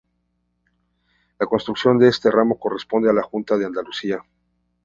La construcción de este tramo corresponde a la Junta de Andalucía.